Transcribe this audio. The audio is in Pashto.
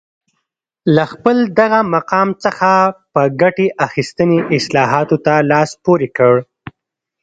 له خپل دغه مقام څخه په ګټې اخیستنې اصلاحاتو ته لاس پورې کړ